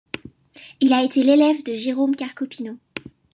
Il a été l'élève de Jérôme Carcopino.